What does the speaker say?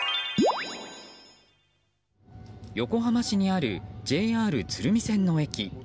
横浜市にあるＪＲ鶴見線の駅。